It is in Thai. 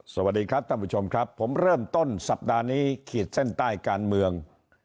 สวัสดีครับท่านผู้ชมครับผมเริ่มต้นสัปดาห์นี้ขีดเส้นใต้การเมือง